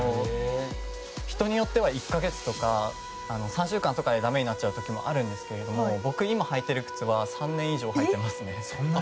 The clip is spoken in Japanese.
人によっては１か月とか３週間とかでダメになっちゃう時もあるんですけども僕、今履いている靴は３年以上履いてます。